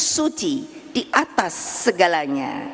suci di atas segalanya